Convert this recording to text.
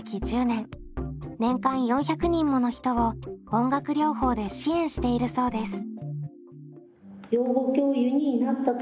年間４００人もの人を音楽療法で支援しているそうです。